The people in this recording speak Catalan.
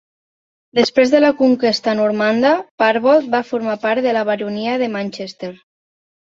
Després de la conquesta normanda, Parbold va formar part de la Baronia de Manchester.